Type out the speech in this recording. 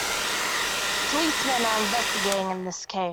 Policemen are investigating in this case.